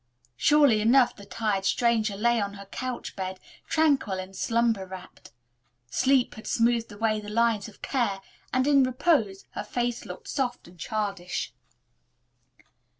Surely enough the tired stranger lay on her couch bed, tranquil and slumber wrapped. Sleep had smoothed away the lines of care and, in repose, her face looked soft and childish.